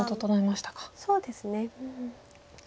そうですね。